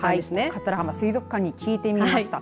桂浜水族館に聞いてみました。